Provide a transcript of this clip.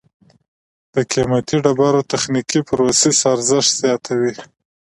د قیمتي ډبرو تخنیکي پروسس ارزښت زیاتوي.